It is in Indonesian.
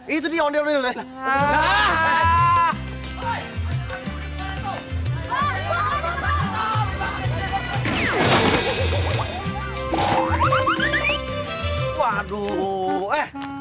itu ondel ondelnya nggak usah nggak ngeliat sih